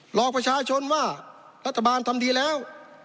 หลอกประชาชนว่ารัฐบาลทำดีแล้ว